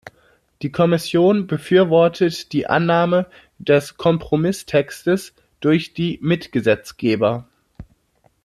Die Kommission befürwortet die Annahme des Kompromisstextes durch die Mitgesetzgeber.